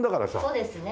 そうですね。